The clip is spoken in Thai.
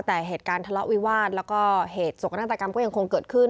แต่เหตุการณ์ทะเลาะวิวาสแล้วก็เหตุศกนาฏกรรมก็ยังคงเกิดขึ้น